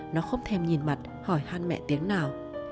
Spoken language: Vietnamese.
nó không thèm nhìn mặt hỏi hăn mẹ tiếng nào